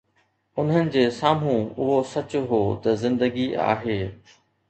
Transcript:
انهن جي سامهون اهو سچ هو ته زندگي آهي.